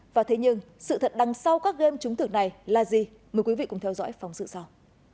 và thế nhưng sự thật đằng sau các game trúng thưởng này là gì mời quý vị cùng theo dõi phóng sự sau